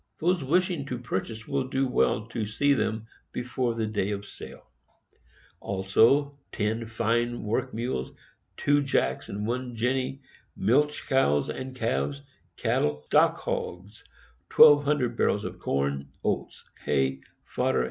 Those wishing to purchase will do well to see them before the day of sale. Also, TEN FINE WORK MULES, TWO JACKS AND ONE JENNET, MILCH COWS AND CALVES, Cattle, Stock Hogs, 1200 barrels Corn, Oats, Hay, Fodder, &c.